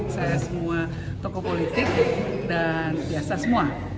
saya semua tokoh politik dan biasa semua